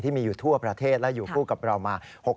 มีอยู่ทั่วประเทศและอยู่คู่กับเรามา